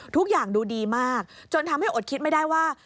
ทุกอย่างดูดีมากจนทำให้อดคิดไม่ได้ว่า